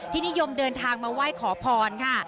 นิยมเดินทางมาไหว้ขอพรค่ะ